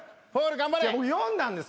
僕読んだんです